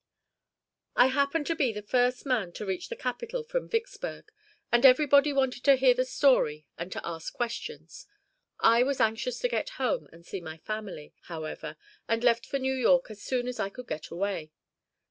I happened to be the first man to reach the capital from Vicksburg, and everybody wanted to hear the story and to ask questions. I was anxious to get home and see my family, however, and left for New York as soon as I could get away.